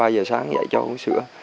hai ba giờ sáng dậy cho uống sữa